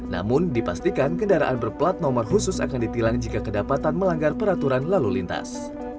namun dipastikan kendaraan berplat nomor khusus akan ditilang jika kedapatan melanggar peraturan lalu lintas